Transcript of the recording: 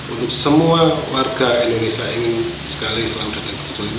untuk semua warga indonesia ini sekali selalu datang ke solo